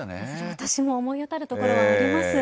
私も思い当たるところはあります。